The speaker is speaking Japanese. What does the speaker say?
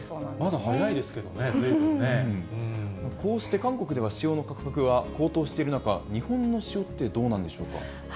まだ早いですけどね、ずいぶこうして韓国では塩の価格が高騰している中、日本の塩ってどうなんでしょうか。